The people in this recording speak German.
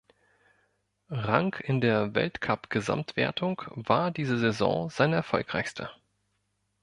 Rang in der Weltcupgesamtwertung war diese Saison seine erfolgreichste.